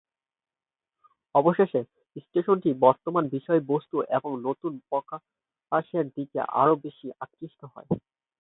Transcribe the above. অবশেষে, স্টেশনটি বর্তমান বিষয়বস্তু এবং নতুন প্রকাশের দিকে আরও বেশি আকৃষ্ট হয়।